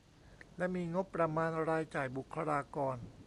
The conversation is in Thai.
และมีงบประมาณรายจ่ายบุคลากร